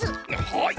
はい！